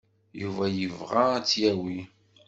Yuba yebɣa ad tt-yawi.